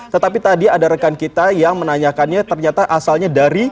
tetapi tadi ada rekan kita yang menanyakannya ternyata asalnya dari